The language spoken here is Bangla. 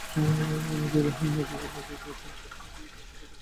নবীন দাদাকে চেনে, বুঝলে ও কথাটা খতম হয়ে গেল।